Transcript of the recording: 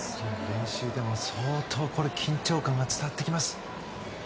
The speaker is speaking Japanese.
練習でも相当緊張感が伝わってきます。